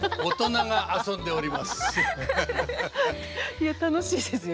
いや楽しいですよ